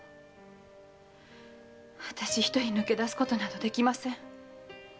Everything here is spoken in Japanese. あたし一人抜け出すことなどできません。